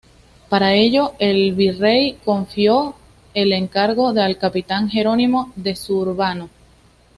Para ello el virrey confió el encargo al capitán Jerónimo de Zurbano.